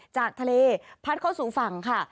จากทะเลพัดเข้าสู่ฝั่งค่ะ